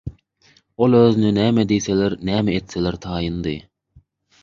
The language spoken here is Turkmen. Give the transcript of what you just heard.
Ol özüne näme diýseler, näme etseler taýyndy.